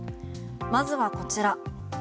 まずはこちら。